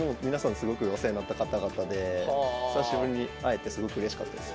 すごくお世話になった方々で久しぶりに会えてすごくうれしかったです。